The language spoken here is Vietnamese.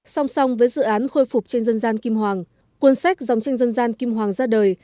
song song với dự án khôi phục tranh dân gian kim hoàng cuốn sách dòng tranh dân gian kim hoàng ra đời